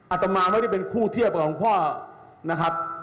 ตมาไม่ได้เป็นคู่เทียบของพ่อนะครับ